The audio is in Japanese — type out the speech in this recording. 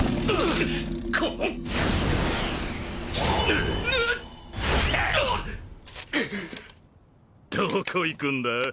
どこ行くんだ？